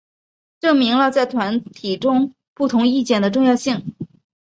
证明了在团体中不同意见的重要性。